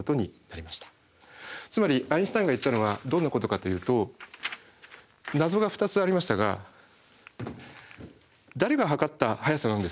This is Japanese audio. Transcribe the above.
つまりアインシュタインが言ったのはどんなことかというと謎が２つありましたが誰が測った速さなんですか？